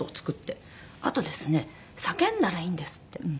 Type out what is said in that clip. あとですね叫んだらいいんですって。